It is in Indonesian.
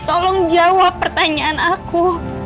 tolong jawab pertanyaan aku